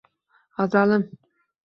G’azalim